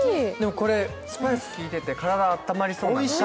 これスパイス効いてて、体あったまりそうな。